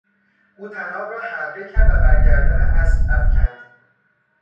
او طناب را حلقه کرد و بر گردن اسب افکند.